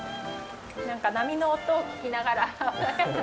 波の音を聞きながら。